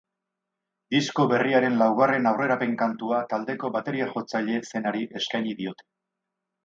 Disko berriaren laugarren aurrerapen-kantua taldeko bateria-jotzailea zenari eskaini diote.